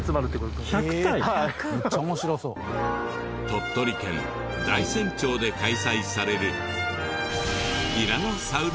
鳥取県大山町で開催される。